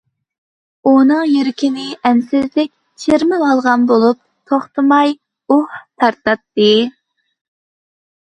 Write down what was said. ئۇنىڭ يۈرىكىنى ئەنسىزچىلىك چىرمىۋالغان بولۇپ، توختىماي ئۇھ تارتاتتى.